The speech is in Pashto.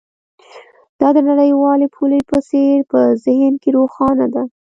دا د نړیوالې پولې په څیر په ذهن کې روښانه ده